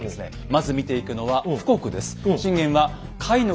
まず見ていくのは「富国」です。